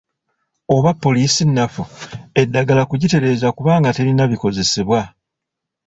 Oba poliisi nnafu, eddagala kugitereeza kubanga terina bikozesebwa.